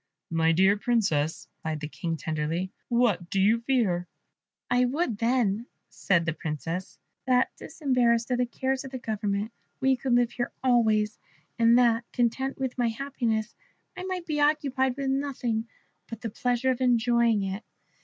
"My dear Princess," replied the King, tenderly, "what do you fear?" "I would, then," said the Princess, "that, disembarrassed of the cares of government, we could live here always, and that, content with my happiness, I might be occupied with nothing but the pleasure of enjoying it.